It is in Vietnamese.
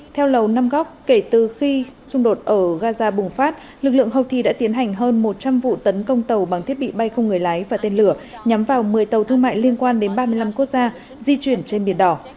theo lầu năm góc kể từ khi xung đột ở gaza bùng phát lực lượng houthi đã tiến hành hơn một trăm linh vụ tấn công tàu bằng thiết bị bay không người lái và tên lửa nhắm vào một mươi tàu thương mại liên quan đến ba mươi năm quốc gia di chuyển trên biển đỏ